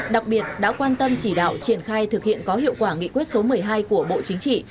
đặc biệt đã quan tâm chỉ đạo triển khai thực hiện có hiệu quả nghị quyết số một mươi hai của bộ chính trị